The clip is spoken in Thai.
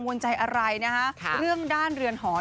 ว่าด้านเรือนหอง